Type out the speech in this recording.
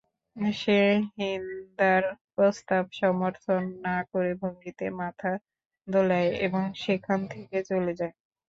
সে হিন্দার প্রস্তাব সমর্থন না করার ভঙ্গিতে মাথা দোলায় এবং সেখান থেকে চলে যায়।